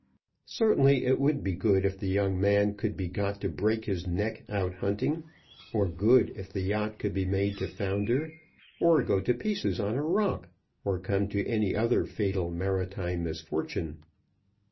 Certainly it would be good if the young man could be got to break his neck out hunting; or good if the yacht could be made to founder, or go to pieces on a rock, or come to any other fatal maritime misfortune.